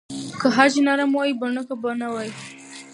که خج نرم وای، بڼکه به نه وای.